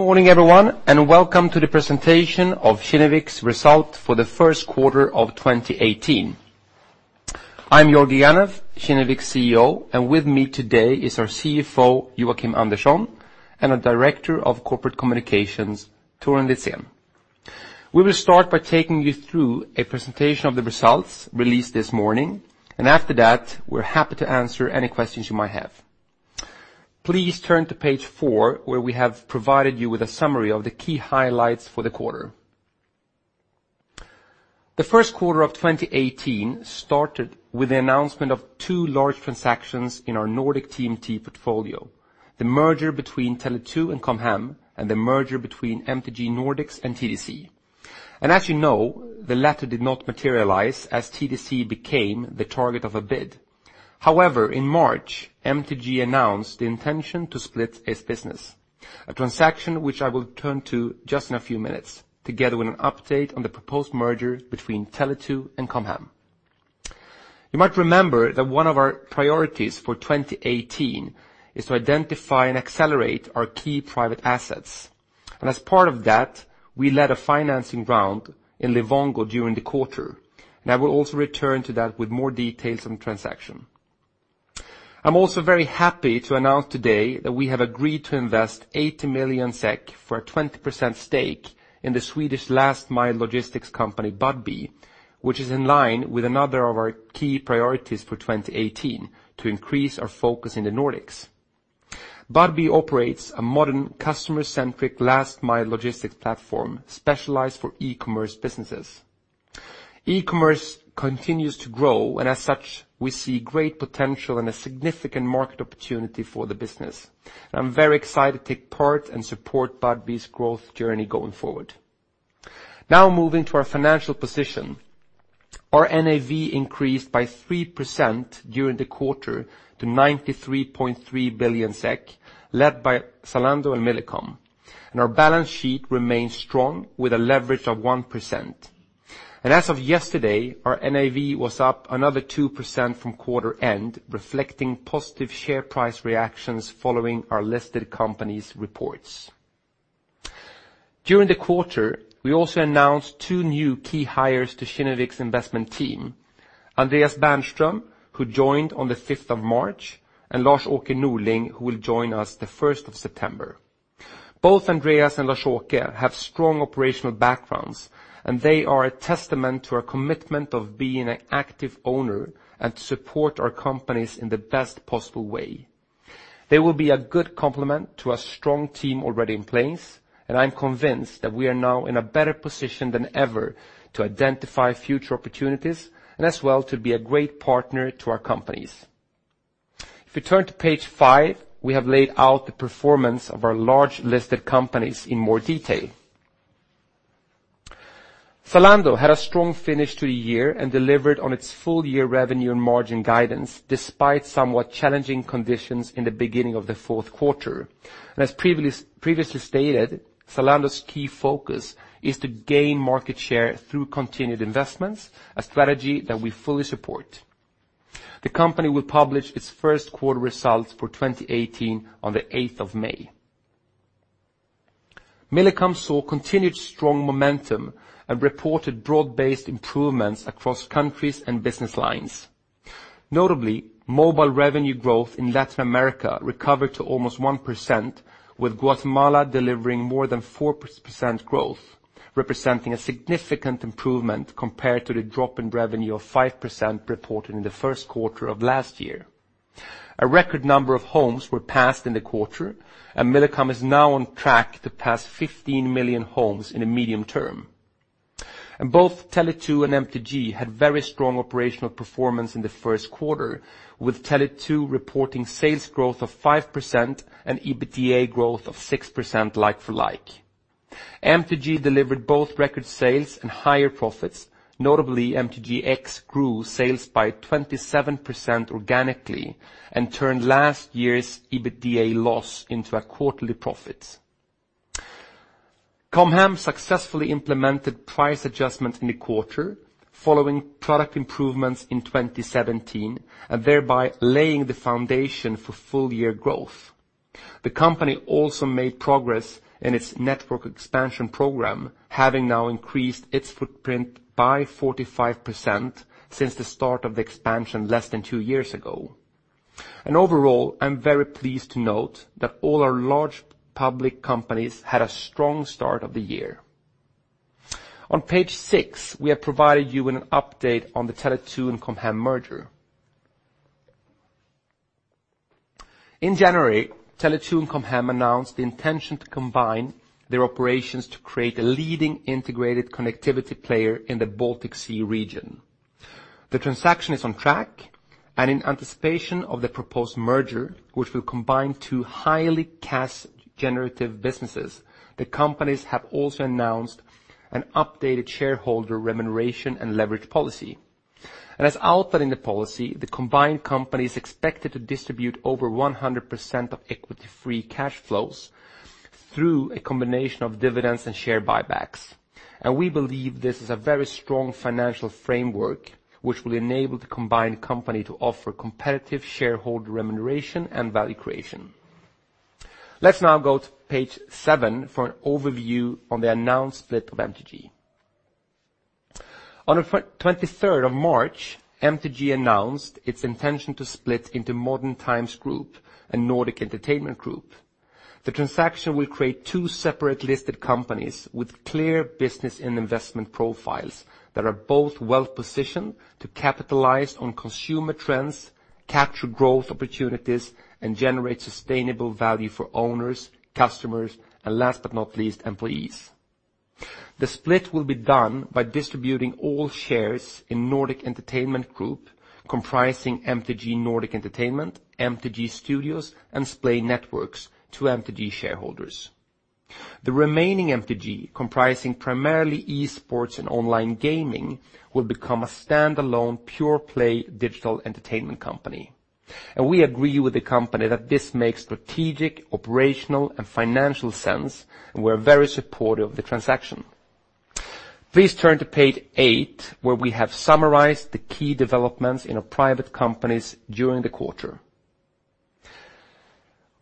Good morning, everyone, and welcome to the presentation of Kinnevik's result for the first quarter of 2018. I'm Georgi Ganev, Kinnevik's CEO, and with me today is our CFO, Joakim Andersson, and our Director of Corporate Communications, Torun Litzén. We will start by taking you through a presentation of the results released this morning. After that, we're happy to answer any questions you may have. Please turn to page four, where we have provided you with a summary of the key highlights for the quarter. The first quarter of 2018 started with the announcement of two large transactions in our Nordic TMT portfolio, the merger between Tele2 and Com Hem, and the merger between MTG Nordics and TDC. As you know, the latter did not materialize as TDC became the target of a bid. However, in March, MTG announced the intention to split its business, a transaction which I will turn to just in a few minutes, together with an update on the proposed merger between Tele2 and Com Hem. You might remember that one of our priorities for 2018 is to identify and accelerate our key private assets. As part of that, we led a financing round in Livongo during the quarter, and I will also return to that with more details on the transaction. I'm also very happy to announce today that we have agreed to invest 80 million SEK for a 20% stake in the Swedish last mile logistics company, Budbee, which is in line with another of our key priorities for 2018, to increase our focus in the Nordics. Budbee operates a modern customer-centric last mile logistics platform specialized for e-commerce businesses. E-commerce continues to grow, and as such, we see great potential and a significant market opportunity for the business. I'm very excited to take part and support Budbee's growth journey going forward. Now moving to our financial position. Our NAV increased by 3% during the quarter to 93.3 billion SEK, led by Zalando and Millicom. Our balance sheet remains strong with a leverage of 1%. As of yesterday, our NAV was up another 2% from quarter end, reflecting positive share price reactions following our listed companies' reports. During the quarter, we also announced two new key hires to Kinnevik's investment team, Andreas Bernström, who joined on the 5th of March, and Lars-Åke Norling, who will join us the 1st of September. Both Andreas and Lars-Åke have strong operational backgrounds, and they are a testament to our commitment of being an active owner and to support our companies in the best possible way. They will be a good complement to a strong team already in place, and I'm convinced that we are now in a better position than ever to identify future opportunities and as well to be a great partner to our companies. If you turn to page five, we have laid out the performance of our large listed companies in more detail. Zalando had a strong finish to the year and delivered on its full year revenue and margin guidance, despite somewhat challenging conditions in the beginning of the fourth quarter. As previously stated, Zalando's key focus is to gain market share through continued investments, a strategy that we fully support. The company will publish its first quarter results for 2018 on the 8th of May. Millicom saw continued strong momentum and reported broad-based improvements across countries and business lines. Notably, mobile revenue growth in Latin America recovered to almost 1%, with Guatemala delivering more than 4% growth, representing a significant improvement compared to the drop in revenue of 5% reported in the first quarter of last year. A record number of homes were passed in the quarter, and Millicom is now on track to pass 15 million homes in the medium term. Both Tele2 and MTG had very strong operational performance in the first quarter, with Tele2 reporting sales growth of 5% and EBITDA growth of 6% like for like. MTG delivered both record sales and higher profits. Notably, MTGx grew sales by 27% organically and turned last year's EBITDA loss into a quarterly profit. Com Hem successfully implemented price adjustments in the quarter, following product improvements in 2017, thereby laying the foundation for full year growth. The company also made progress in its network expansion program, having now increased its footprint by 45% since the start of the expansion less than two years ago. Overall, I'm very pleased to note that all our large public companies had a strong start of the year. On page six, we have provided you with an update on the Tele2 and Com Hem merger. In January, Tele2 and Com Hem announced the intention to combine their operations to create a leading integrated connectivity player in the Baltic Sea region. The transaction is on track and in anticipation of the proposed merger, which will combine two highly cash-generative businesses, the companies have also announced an updated shareholder remuneration and leverage policy. As outlined in the policy, the combined company is expected to distribute over 100% of equity-free cash flows through a combination of dividends and share buybacks. We believe this is a very strong financial framework which will enable the combined company to offer competitive shareholder remuneration and value creation. Let's now go to page seven for an overview on the announced split of MTG. On the 23rd of March, MTG announced its intention to split into Modern Times Group and Nordic Entertainment Group. The transaction will create two separate listed companies with clear business and investment profiles that are both well-positioned to capitalize on consumer trends, capture growth opportunities, and generate sustainable value for owners, customers, and last but not least, employees. The split will be done by distributing all shares in Nordic Entertainment Group, comprising MTG Nordic Entertainment, MTG Studios, and Splay Networks to MTG shareholders. The remaining MTG, comprising primarily e-sports and online gaming, will become a standalone pure-play digital entertainment company. We agree with the company that this makes strategic, operational, and financial sense, and we're very supportive of the transaction. Please turn to page eight, where we have summarized the key developments in our private companies during the quarter.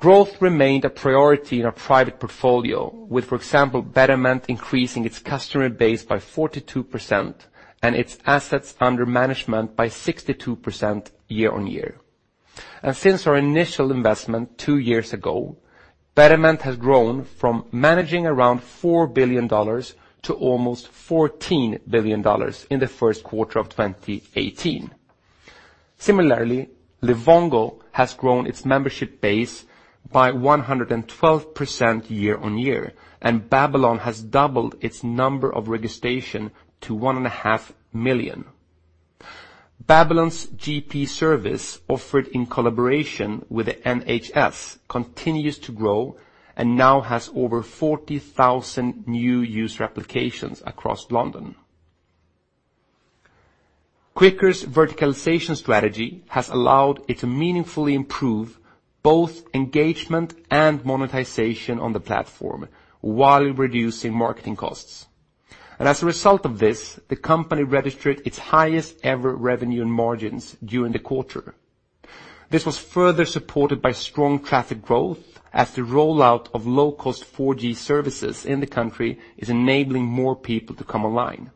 Growth remained a priority in our private portfolio with, for example, Betterment increasing its customer base by 42% and its assets under management by 62% year-on-year. Since our initial investment two years ago, Betterment has grown from managing around $4 billion to almost $14 billion in the first quarter of 2018. Similarly, Livongo has grown its membership base by 112% year-on-year, and Babylon has doubled its number of registration to one and a half million. Babylon's GP service, offered in collaboration with the NHS, continues to grow and now has over 40,000 new user applications across London. Quikr's verticalization strategy has allowed it to meaningfully improve both engagement and monetization on the platform while reducing marketing costs. As a result of this, the company registered its highest ever revenue and margins during the quarter. This was further supported by strong traffic growth as the rollout of low-cost 4G services in the country is enabling more people to come online.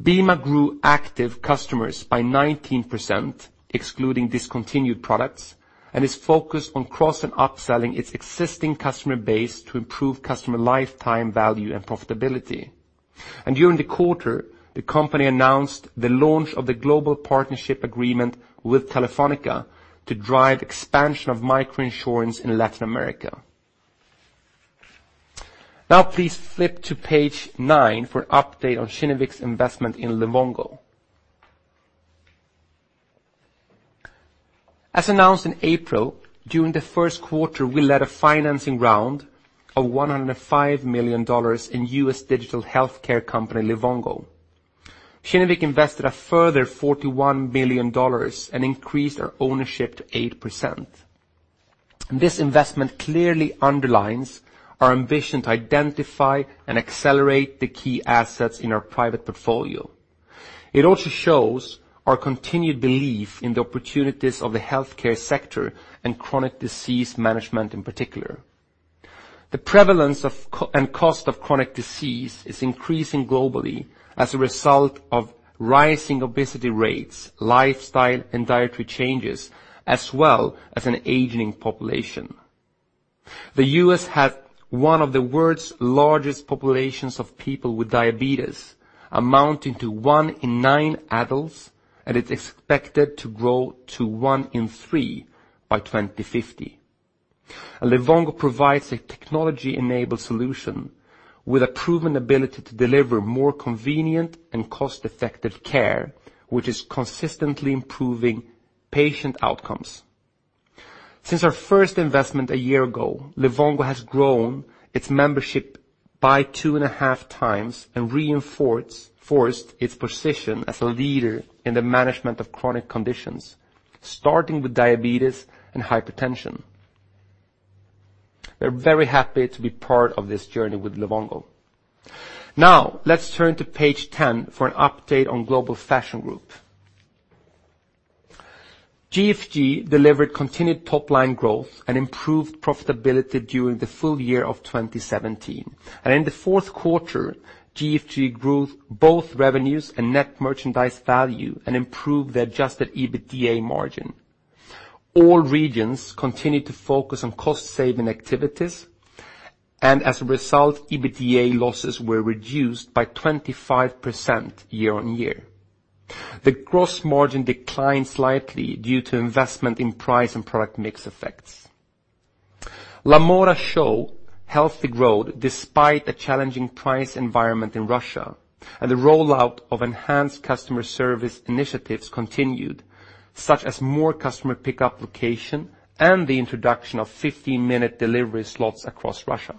BIMA grew active customers by 19%, excluding discontinued products, and is focused on cross and upselling its existing customer base to improve customer lifetime value and profitability. During the quarter, the company announced the launch of the global partnership agreement with Telefónica to drive expansion of micro-insurance in Latin America. Please flip to page nine for an update on Kinnevik's investment in Livongo. As announced in April, during the first quarter, we led a financing round of $105 million in U.S. digital healthcare company Livongo. Kinnevik invested a further $41 million and increased our ownership to 8%. This investment clearly underlines our ambition to identify and accelerate the key assets in our private portfolio. It also shows our continued belief in the opportunities of the healthcare sector and chronic disease management in particular. The prevalence and cost of chronic disease is increasing globally as a result of rising obesity rates, lifestyle and dietary changes, as well as an aging population. The U.S. has one of the world's largest populations of people with diabetes, amounting to one in nine adults, and it's expected to grow to one in three by 2050. Livongo provides a technology-enabled solution with a proven ability to deliver more convenient and cost-effective care, which is consistently improving patient outcomes. Since our first investment a year ago, Livongo has grown its membership by two and a half times and reinforced its position as a leader in the management of chronic conditions, starting with diabetes and hypertension. We're very happy to be part of this journey with Livongo. Now, let's turn to page 10 for an update on Global Fashion Group. GFG delivered continued top-line growth and improved profitability during the full year of 2017. In the fourth quarter, GFG grew both revenues and net merchandise value and improved the adjusted EBITDA margin. All regions continued to focus on cost-saving activities, and as a result, EBITDA losses were reduced by 25% year-over-year. The gross margin declined slightly due to investment in price and product mix effects. Lamoda show healthy growth despite a challenging price environment in Russia, and the rollout of enhanced customer service initiatives continued, such as more customer pickup location and the introduction of 15-minute delivery slots across Russia.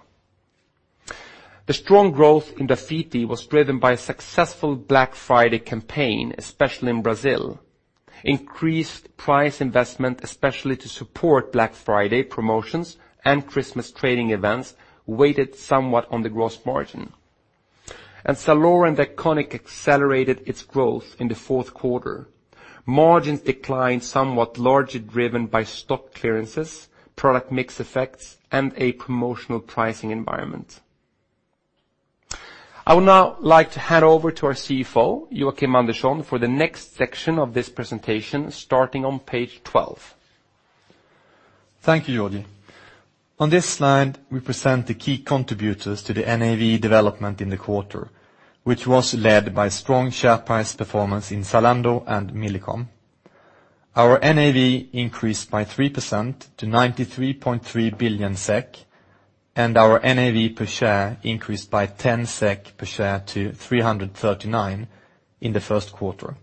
The strong growth in Dafiti was driven by a successful Black Friday campaign, especially in Brazil. Increased price investment, especially to support Black Friday promotions and Christmas trading events, weighted somewhat on the gross margin. Zalora and The Iconic accelerated its growth in the fourth quarter. Margins declined somewhat, largely driven by stock clearances, product mix effects, and a promotional pricing environment. I would now like to hand over to our CFO, Joakim Andersson, for the next section of this presentation, starting on page 12. Thank you, Georgi. On this slide, we present the key contributors to the NAV development in the quarter, which was led by strong share price performance in Zalando and Millicom. Our NAV increased by 3% to 93.3 billion SEK, and our NAV per share increased by 10 SEK per share to 339 in the first quarter.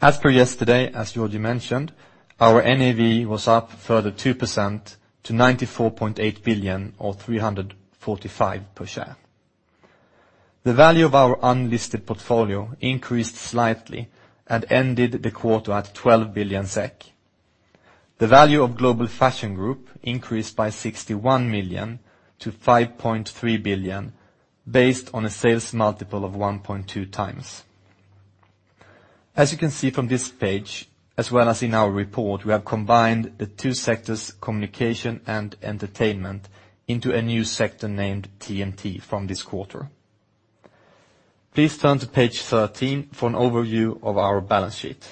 As per yesterday, as Georgi mentioned, our NAV was up further 2% to 94.8 billion or 345 per share. The value of our unlisted portfolio increased slightly and ended the quarter at 12 billion SEK. The value of Global Fashion Group increased by 61 million to 5.3 billion, based on a sales multiple of 1.2 times. As you can see from this page, as well as in our report, we have combined the two sectors, communication and entertainment, into a new sector named TMT from this quarter. Please turn to page 13 for an overview of our balance sheet.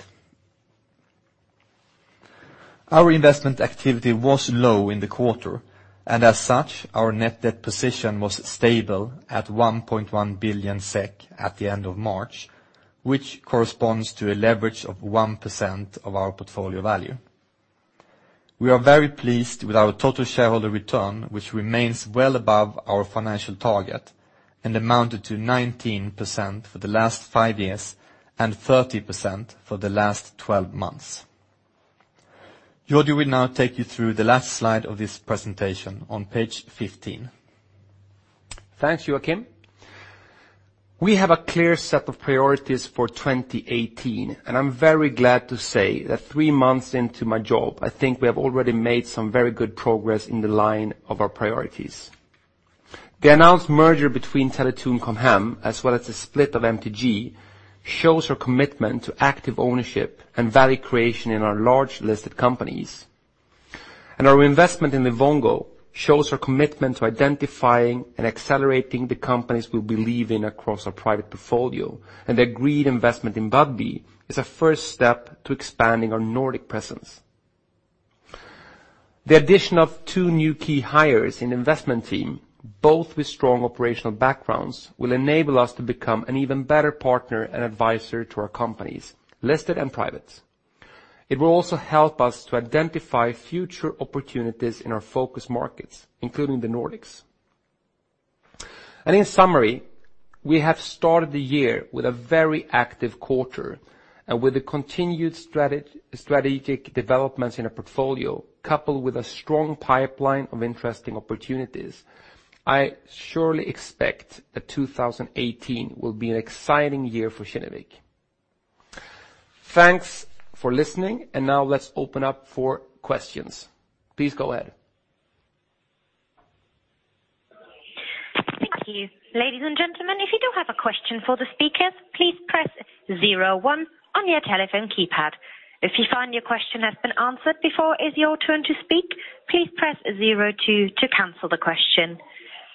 Our investment activity was low in the quarter, and as such, our net debt position was stable at 1.1 billion SEK at the end of March, which corresponds to a leverage of 1% of our portfolio value. We are very pleased with our total shareholder return, which remains well above our financial target and amounted to 19% for the last five years and 30% for the last 12 months. Georgi will now take you through the last slide of this presentation on page 15. Thanks, Joakim. We have a clear set of priorities for 2018. I'm very glad to say that three months into my job, I think we have already made some very good progress in the line of our priorities. The announced merger between Tele2 and Com Hem, as well as the split of MTG, shows our commitment to active ownership and value creation in our large listed companies. Our investment in Livongo shows our commitment to identifying and accelerating the companies we believe in across our private portfolio. The agreed investment in Budbee is a first step to expanding our Nordic presence. The addition of two new key hires in investment team, both with strong operational backgrounds, will enable us to become an even better partner and advisor to our companies, listed and private. It will also help us to identify future opportunities in our focus markets, including the Nordics. In summary, we have started the year with a very active quarter and with the continued strategic developments in our portfolio, coupled with a strong pipeline of interesting opportunities. I surely expect that 2018 will be an exciting year for Kinnevik. Thanks for listening and now let's open up for questions. Please go ahead. Thank you. Ladies and gentlemen, if you do have a question for the speakers, please press 01 on your telephone keypad. If you find your question has been answered before it is your turn to speak, please press 02 to cancel the question.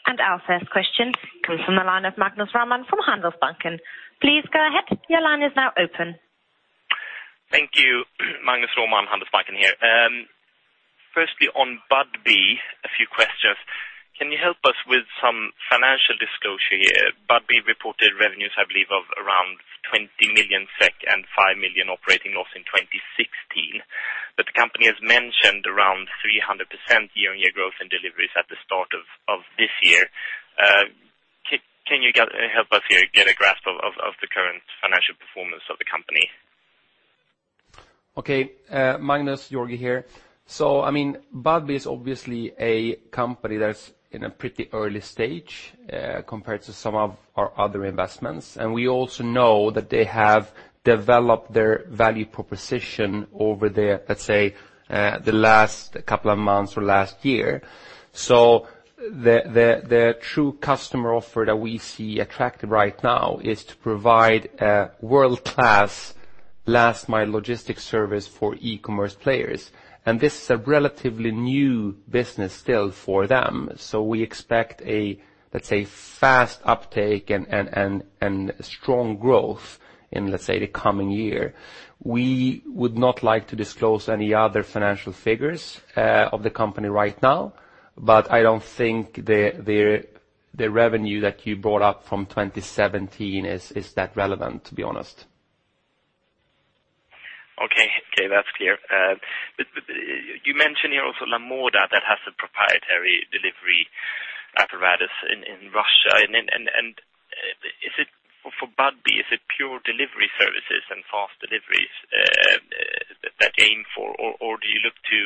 Our first question comes from the line of Magnus Råman from Handelsbanken. Please go ahead. Your line is now open. Thank you. Magnus Raman, Handelsbanken here. Firstly, on Budbee, a few questions. Can you help us with some financial disclosure here? Budbee reported revenues, I believe, of around 20 million SEK and 5 million operating loss in 2016. The company has mentioned around 300% year-over-year growth in deliveries at the start of this year. Can you help us here get a grasp of the current financial performance of the company? Okay. Magnus, Georgi here. Budbee is obviously a company that's in a pretty early stage compared to some of our other investments, and we also know that they have developed their value proposition over their, let's say, the last couple of months or last year. The true customer offer that we see attractive right now is to provide a world-class last-mile logistics service for e-commerce players. This is a relatively new business still for them. We expect a, let's say, fast uptake and strong growth in, let's say, the coming year. We would not like to disclose any other financial figures of the company right now, but I don't think the revenue that you brought up from 2017 is that relevant, to be honest. Okay. That's clear. You mentioned here also Lamoda that has a proprietary delivery apparatus in Russia, for Budbee, is it pure delivery services and fast deliveries? That aim for, or do you look to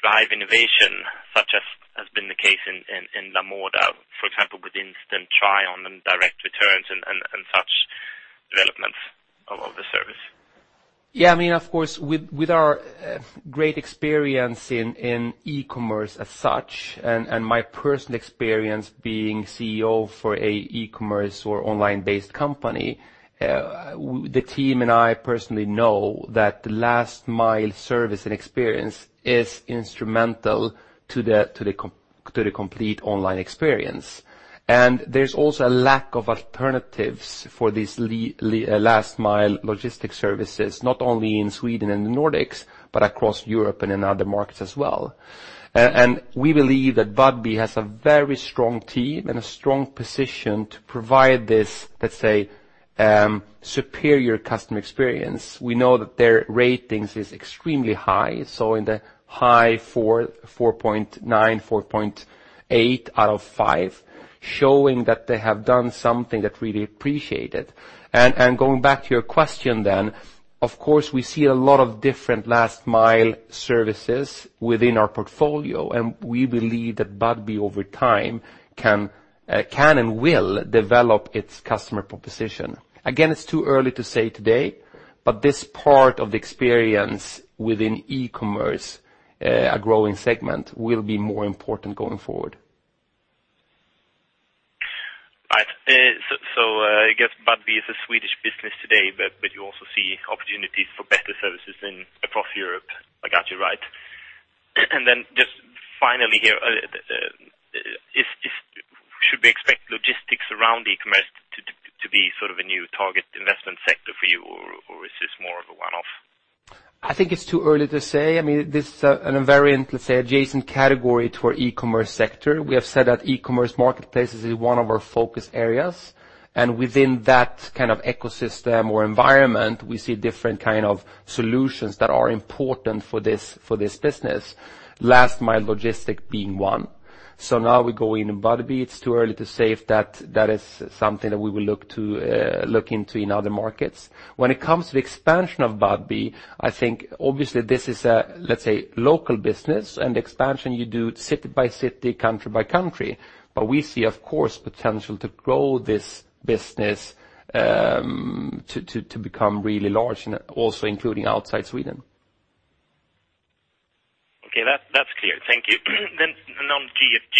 drive innovation such as has been the case in Lamoda, for example, with instant try on and direct returns and such developments of the service? Of course, with our great experience in e-commerce as such, my personal experience being CEO for an e-commerce or online-based company, the team and I personally know that the last mile service and experience is instrumental to the complete online experience. There's also a lack of alternatives for these last mile logistic services, not only in Sweden and the Nordics, but across Europe and in other markets as well. We believe that Budbee has a very strong team and a strong position to provide this, let's say, superior customer experience. We know that their ratings is extremely high, so in the high 4.9, 4.8 out of 5, showing that they have done something that's really appreciated. Going back to your question, of course, we see a lot of different last mile services within our portfolio, we believe that Budbee over time can and will develop its customer proposition. Again, it's too early to say today, but this part of the experience within e-commerce, a growing segment, will be more important going forward. Right. I guess Budbee is a Swedish business today, but you also see opportunities for better services across Europe. I got you, right? Just finally here, should we expect logistics around e-commerce to be sort of a new target investment sector for you, or is this more of a one-off? I think it's too early to say. This is an invariant, let's say, adjacent category to our e-commerce sector. We have said that e-commerce marketplaces is one of our focus areas, and within that kind of ecosystem or environment, we see different kind of solutions that are important for this business, last mile logistic being one. Now we go in Budbee. It's too early to say if that is something that we will look into in other markets. When it comes to the expansion of Budbee, I think obviously this is a, let's say, local business, and expansion you do city by city, country by country. We see, of course, potential to grow this business, to become really large and also including outside Sweden. Okay. That's clear. Thank you. On GFG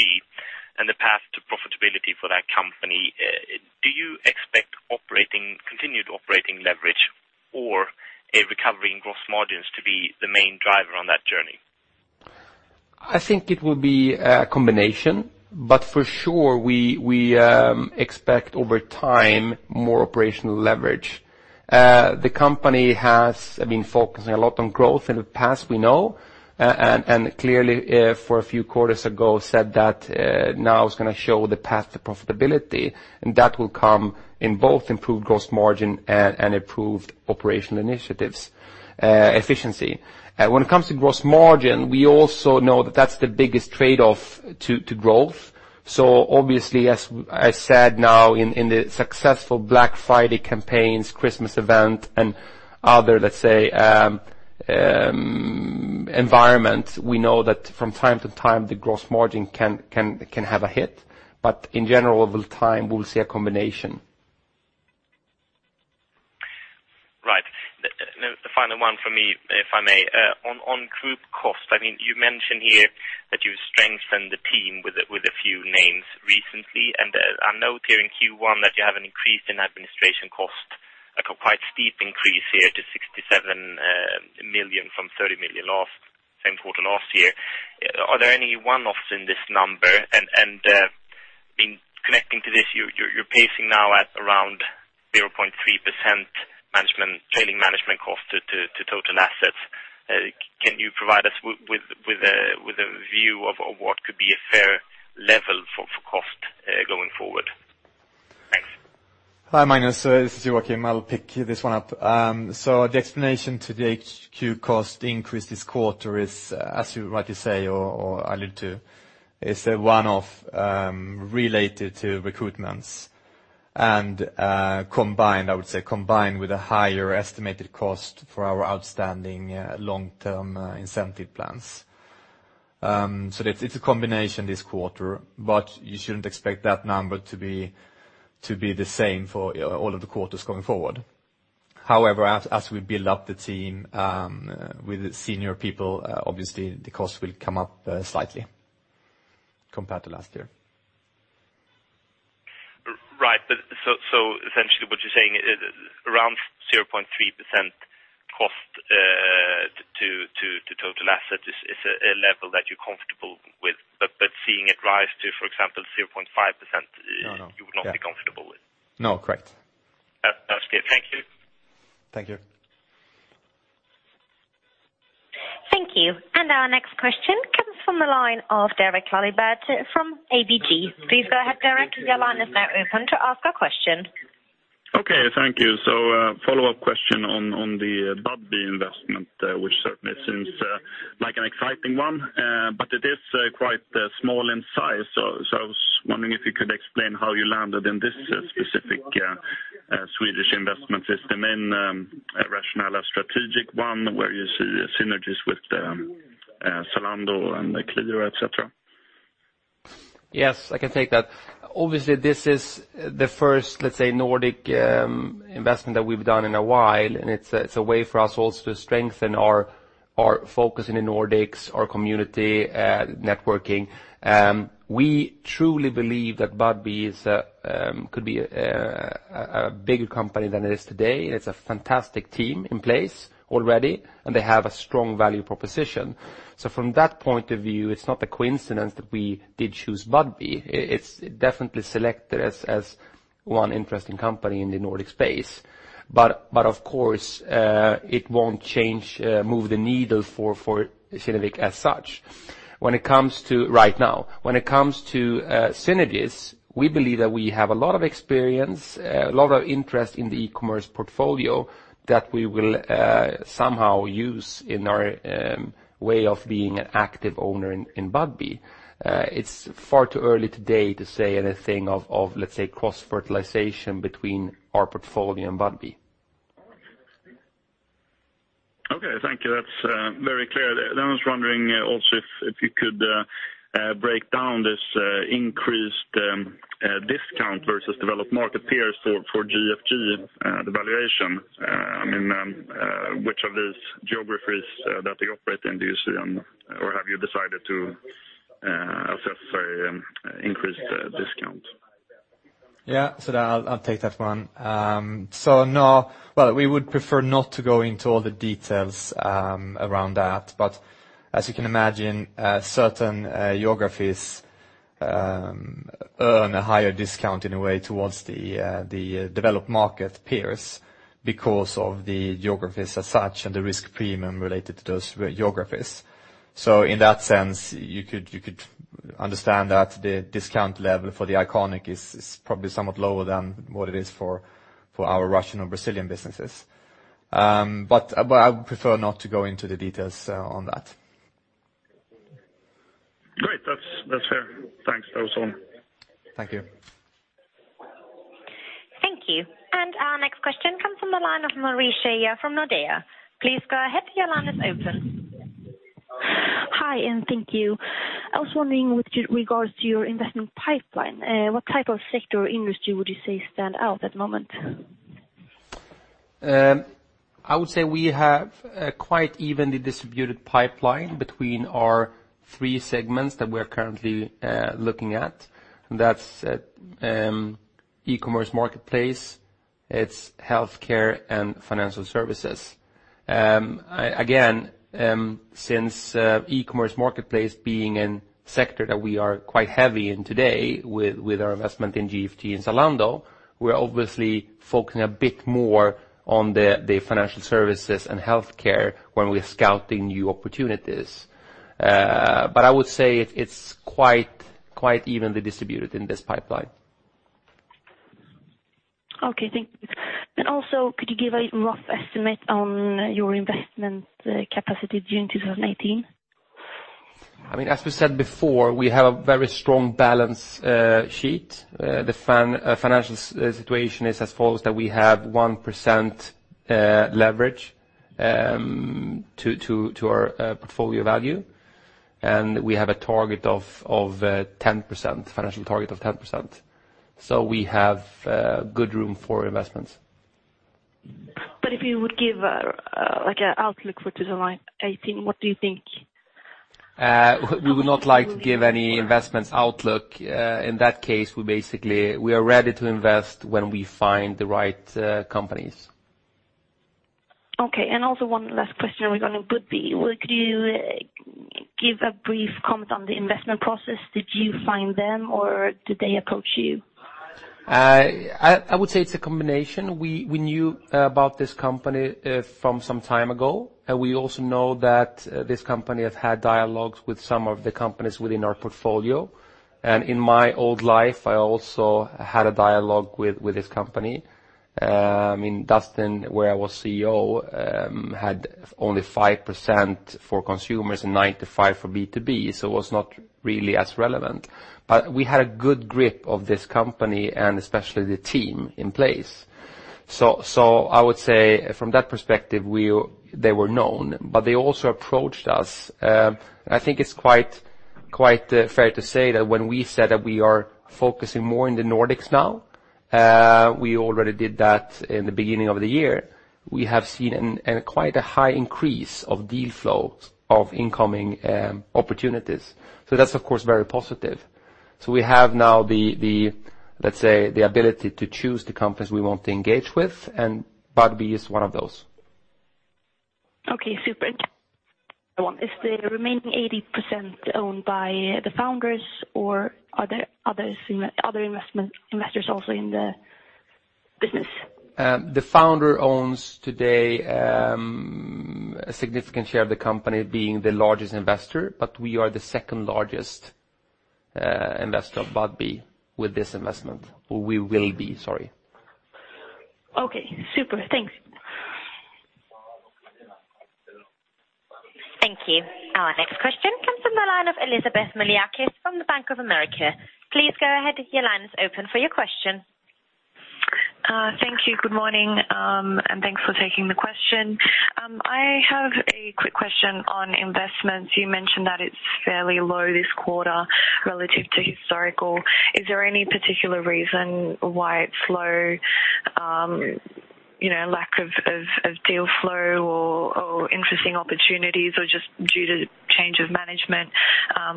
and the path to profitability for that company, do you expect continued operating leverage or a recovery in gross margins to be the main driver on that journey? I think it will be a combination. For sure, we expect over time more operational leverage. The company has been focusing a lot on growth in the past, we know, and clearly for a few quarters ago said that now it's going to show the path to profitability, and that will come in both improved gross margin and improved operational initiatives efficiency. When it comes to gross margin, we also know that that's the biggest trade-off to growth. Obviously, as I said now in the successful Black Friday campaigns, Christmas event, and other environment, we know that from time to time, the gross margin can have a hit. In general, over time, we'll see a combination. Right. The final one for me, if I may. On group cost, you mention here that you've strengthened the team with a few names recently, and I note here in Q1 that you have an increase in administration cost, like a quite steep increase here to 67 million from 30 million same quarter last year. Are there any one-offs in this number? Connecting to this, you're pacing now at around 0.3% trailing management cost to total assets. Can you provide us with a view of what could be a fair level for cost going forward? Thanks. Hi, Magnus. This is Joakim. I'll pick this one up. The explanation to the HQ cost increase this quarter is as you rightly say or allude to, is a one-off related to recruitments and combined, I would say, with a higher estimated cost for our outstanding long-term incentive plans. It's a combination this quarter. You shouldn't expect that number to be the same for all of the quarters going forward. However, as we build up the team with senior people, obviously the cost will come up slightly compared to last year. Right. Essentially what you're saying is around 0.3% cost to total asset is a level that you're comfortable with. Seeing it rise to, for example, 0.5%- No you would not be comfortable with. No. Correct. That's good. Thank you. Thank you. Thank you. Our next question comes from the line of Derek Laliberté from ABG. Please go ahead, Derek. Your line is now open to ask a question. Okay. Thank you. Follow-up question on the Budbee investment, which certainly seems like an exciting one. It is quite small in size. I was wondering if you could explain how you landed in this specific Swedish investment system in a rationale, a strategic one where you see synergies with the Zalando and Qliro, et cetera. Yes, I can take that. Obviously, this is the first, let's say, Nordic investment that we've done in a while. It's a way for us also to strengthen our focus in the Nordics, our community, networking. We truly believe that Budbee could be a bigger company than it is today. It's a fantastic team in place already. They have a strong value proposition. From that point of view, it's not a coincidence that we did choose Budbee. It's definitely selected as one interesting company in the Nordic space. Of course, it won't move the needle for Kinnevik as such right now. When it comes to synergies, we believe that we have a lot of experience, a lot of interest in the e-commerce portfolio that we will somehow use in our way of being an active owner in Budbee. It's far too early today to say anything of, let's say, cross-fertilization between our portfolio and Budbee. Okay, thank you. That's very clear. I was wondering also if you could break down this increased discount versus developed market peers for GFG, the valuation. Which of these geographies that they operate in do you see, or have you decided to assess very increased discount? Yeah. I'll take that one. No. Well, we would prefer not to go into all the details around that. As you can imagine, certain geographies earn a higher discount in a way towards the developed market peers because of the geographies as such and the risk premium related to those geographies. In that sense, you could understand that the discount level for The Iconic is probably somewhat lower than what it is for our Russian or Brazilian businesses. I would prefer not to go into the details on that. Great. That's fair. Thanks. That was all. Thank you. Thank you. Our next question comes from the line of Marie Scheja from Nordea. Please go ahead, your line is open. Hi, thank you. I was wondering with regards to your investment pipeline, what type of sector or industry would you say stand out at the moment? I would say we have quite evenly distributed pipeline between our three segments that we're currently looking at. That's e-commerce marketplace, it's healthcare, and financial services. Again, since e-commerce marketplace being in sector that we are quite heavy in today with our investment in GFG and Zalando, we're obviously focusing a bit more on the financial services and healthcare when we're scouting new opportunities. I would say it's quite evenly distributed in this pipeline. Okay, thank you. Also, could you give a rough estimate on your investment capacity during 2018? As we said before, we have a very strong balance sheet. The financial situation is as follows that we have 1% leverage to our portfolio value, and we have a financial target of 10%. We have good room for investments. If you would give an outlook for 2018, what do you think? We would not like to give any investments outlook. In that case, we are ready to invest when we find the right companies. Okay. Also one last question regarding Budbee. Could you give a brief comment on the investment process? Did you find them or did they approach you? I would say it's a combination. We knew about this company from some time ago. We also know that this company has had dialogues with some of the companies within our portfolio. In my old life, I also had a dialogue with this company. Dustin, where I was CEO, had only 5% for consumers and 95% for B2B, was not really as relevant. We had a good grip of this company and especially the team in place. I would say from that perspective, they were known, but they also approached us. I think it's quite fair to say that when we said that we are focusing more in the Nordics now, we already did that in the beginning of the year. We have seen quite a high increase of deal flow of incoming opportunities. That's of course very positive. We have now, let's say, the ability to choose the companies we want to engage with, and Budbee is one of those. Okay, super. One, is the remaining 80% owned by the founders or are there other investors also in the business? The founder owns today a significant share of the company being the largest investor, but we are the second largest investor of Budbee with this investment. Sorry. Okay, super. Thanks. Elizabeth Miliatis from the Bank of America. Please go ahead. Your line is open for your question. Thank you. Good morning. Thanks for taking the question. I have a quick question on investments. You mentioned that it's fairly low this quarter relative to historical. Is there any particular reason why it's low? Lack of deal flow or interesting opportunities, or just due to change of management?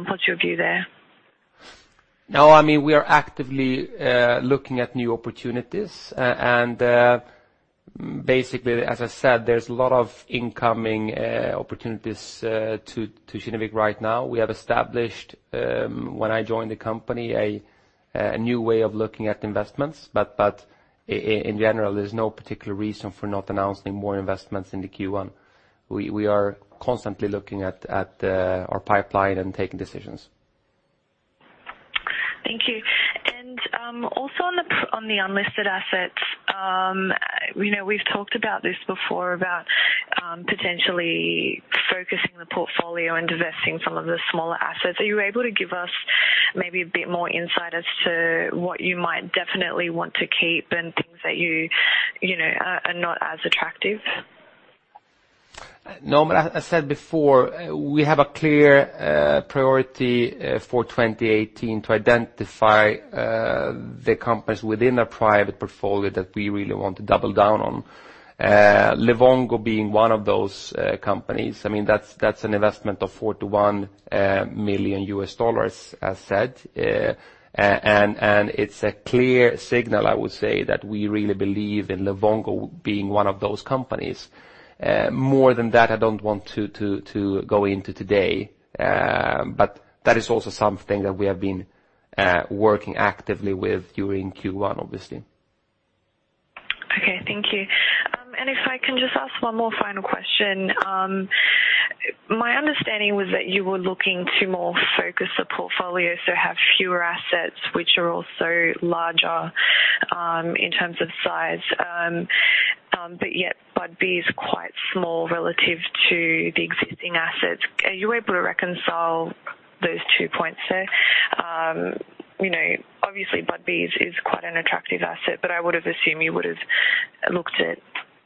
What's your view there? No, we are actively looking at new opportunities. Basically, as I said, there's a lot of incoming opportunities to Kinnevik right now. We have established, when I joined the company, a new way of looking at investments, in general, there's no particular reason for not announcing more investments into Q1. We are constantly looking at our pipeline and making decisions. Thank you. Also on the unlisted assets. We've talked about this before, about potentially focusing the portfolio and divesting some of the smaller assets. Are you able to give us maybe a bit more insight as to what you might definitely want to keep and things that are not as attractive? No, as I said before, we have a clear priority for 2018 to identify the companies within our private portfolio that we really want to double down on. Livongo being one of those companies. That's an investment of $41 million, as said. It's a clear signal, I would say, that we really believe in Livongo being one of those companies. More than that, I don't want to go into today. That is also something that we have been working actively with during Q1, obviously. Okay. Thank you. If I can just ask one more final question. My understanding was that you were looking to more focus the portfolio, have fewer assets, which are also larger in terms of size. Yet Budbee is quite small relative to the existing assets. Are you able to reconcile those two points there? Obviously Budbee is quite an attractive asset, I would've assumed you would've looked at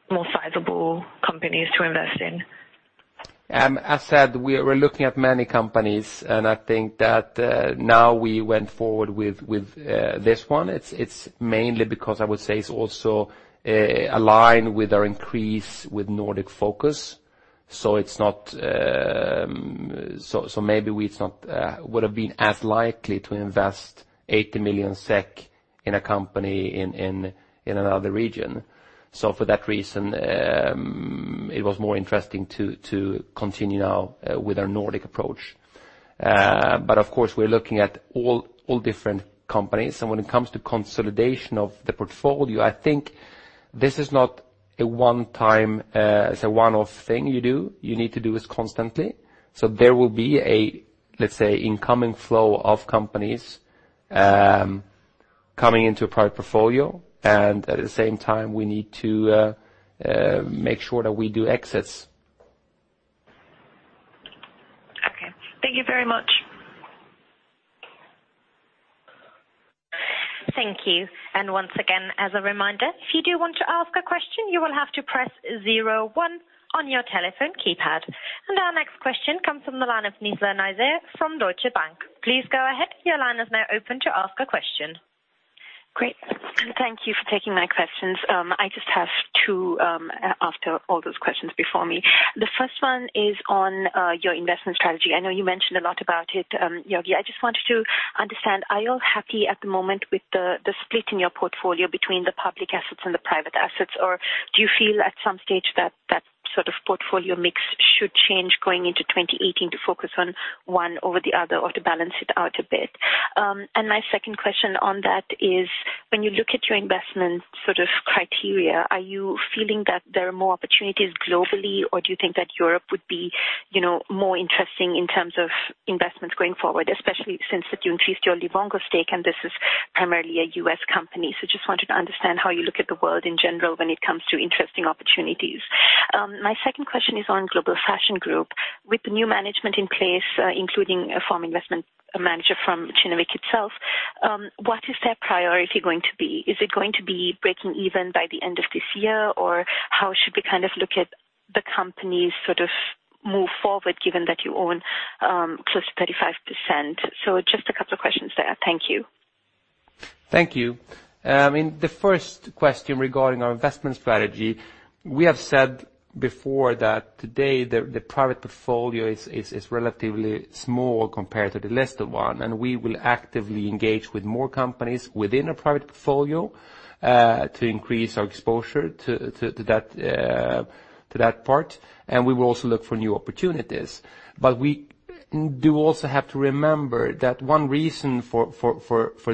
more sizable companies to invest in. As said, we are looking at many companies. I think that now we went forward with this one. It is mainly because I would say it is also aligned with our increase with Nordic focus. Maybe we would have been as likely to invest 80 million SEK in a company in another region. For that reason, it was more interesting to continue now with our Nordic approach. Of course, we are looking at all different companies. When it comes to consolidation of the portfolio, I think this is not a one-off thing you do. You need to do this constantly. There will be an incoming flow of companies coming into a private portfolio. At the same time, we need to make sure that we do exits. Okay. Thank you very much. Thank you. Once again, as a reminder, if you do want to ask a question, you will have to press zero one on your telephone keypad. Our next question comes from the line of Nizla Naizer from Deutsche Bank. Please go ahead. Your line is now open to ask a question. Great. Thank you for taking my questions. I just have two after all those questions before me. The first one is on your investment strategy. I know you mentioned a lot about it, Georgi. I just wanted to understand, are you happy at the moment with the split in your portfolio between the public assets and the private assets, or do you feel at some stage that that sort of portfolio mix should change going into 2018 to focus on one over the other, or to balance it out a bit? My second question on that is, when you look at your investment criteria, are you feeling that there are more opportunities globally, or do you think that Europe would be more interesting in terms of investments going forward? Especially since that you increased your Livongo stake, and this is primarily a U.S. company. Just wanted to understand how you look at the world in general when it comes to interesting opportunities. My second question is on Global Fashion Group. With the new management in place, including a former investment manager from Kinnevik itself, what is their priority going to be? Is it going to be breaking even by the end of this year, or how should we look at the company's move forward, given that you own close to 35%? Just a couple of questions there. Thank you. Thank you. The first question regarding our investment strategy, we have said before that today the private portfolio is relatively small compared to the listed one. We will actively engage with more companies within a private portfolio to increase our exposure to that part. We will also look for new opportunities. We do also have to remember that one reason for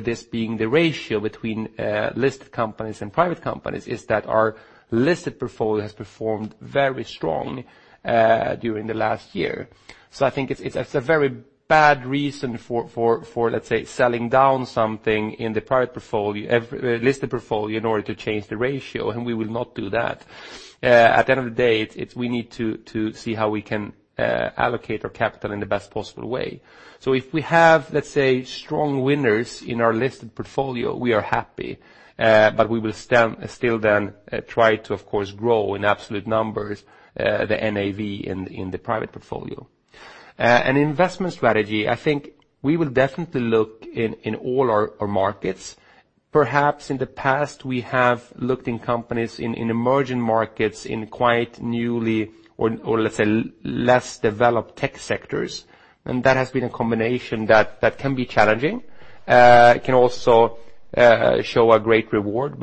this being the ratio between listed companies and private companies is that our listed portfolio has performed very strong during the last year. I think it's a very bad reason for, let's say, selling down something in the listed portfolio in order to change the ratio. We will not do that. At the end of the day, we need to see how we can allocate our capital in the best possible way. If we have, let's say, strong winners in our listed portfolio, we are happy. We will still then try to, of course, grow in absolute numbers, the NAV in the private portfolio. Investment strategy, I think we will definitely look in all our markets. Perhaps in the past, we have looked in companies in emerging markets in quite newly, or let's say, less developed tech sectors. That has been a combination that can be challenging. It can also show a great reward.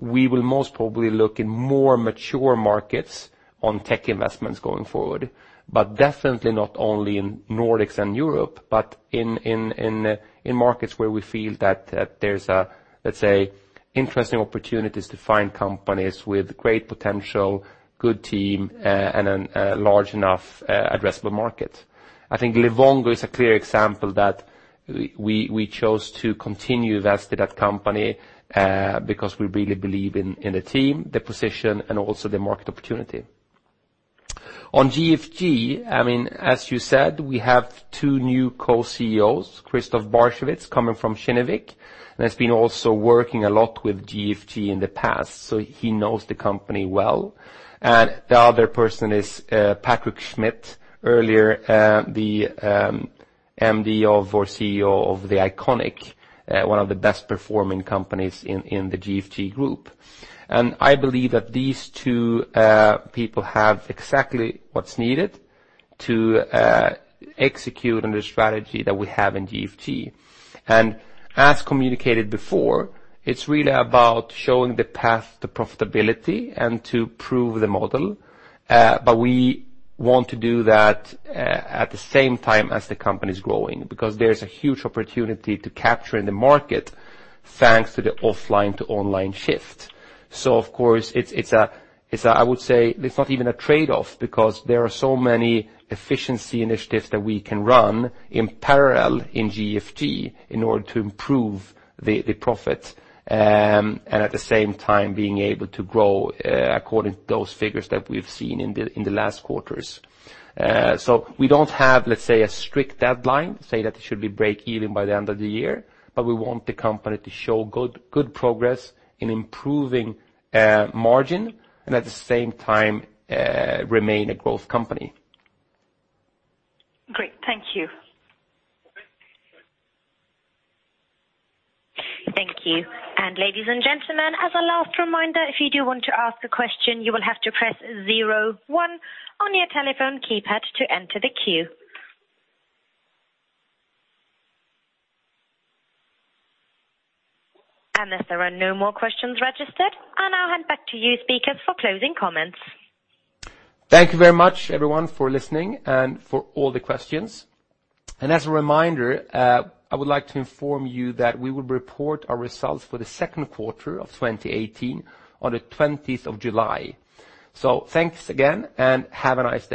We will most probably look in more mature markets on tech investments going forward. Definitely not only in Nordics and Europe, but in markets where we feel that there's a, let's say, interesting opportunities to find companies with great potential, good team, and then a large enough addressable market. I think Livongo is a clear example that we chose to continue invest in that company, because we really believe in the team, the position, and also the market opportunity. On GFG, as you said, we have two new co-CEOs, Christoph Barchewitz coming from Kinnevik. Has been also working a lot with GFG in the past, so he knows the company well. The other person is Patrick Schmidt, earlier the MD of or CEO of The Iconic, one of the best performing companies in the GFG group. I believe that these two people have exactly what's needed to execute on the strategy that we have in GFG. As communicated before, it's really about showing the path to profitability and to prove the model. We want to do that at the same time as the company's growing, because there's a huge opportunity to capture in the market thanks to the offline to online shift. Of course, I would say, it's not even a trade-off because there are so many efficiency initiatives that we can run in parallel in GFG in order to improve the profit, and at the same time being able to grow according to those figures that we've seen in the last quarters. We don't have, let's say, a strict deadline, say that it should be break-even by the end of the year, but we want the company to show good progress in improving margin and at the same time remain a growth company. Great. Thank you. Thank you. Ladies and gentlemen, as a last reminder, if you do want to ask a question, you will have to press zero one on your telephone keypad to enter the queue. As there are no more questions registered, I now hand back to you speakers for closing comments. Thank you very much everyone for listening and for all the questions. As a reminder, I would like to inform you that we will report our results for the second quarter of 2018 on the 20th of July. Thanks again, and have a nice day.